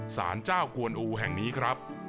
สารเจ้ากวนอูแห่งนี้ครับ